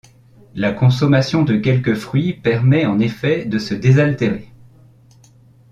La consommation de quelques fruits permet en effet de se désaltérer.